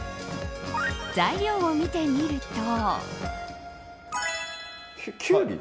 材料を見てみると。